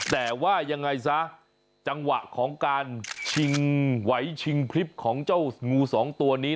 แต่ว่ายังไงซะจังหวะของการชิงไหวชิงพลิบของเจ้างูสองตัวนี้